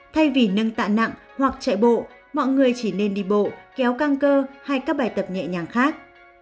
thay vì nâng tạ nặng hoặc chạy bộ mọi người chỉ nên đi bộ kéo căng cơ hay các bài tập nhẹ nhàng khác